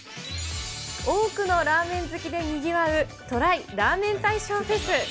多くのラーメン好きでにぎわうＴＲＹラーメン大賞フェス。